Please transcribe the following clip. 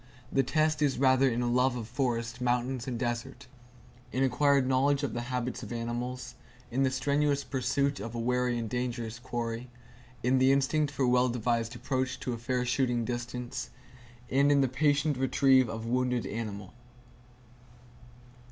The test is rather in a love of forest, mountains and desert; in acquired knowledge of the habits of animals; in the strenuous pursuit of a wary and dangerous quarry; in the instinct for a well devised approach to a fair shooting distance; and in the patient retrieve of a wounded animal."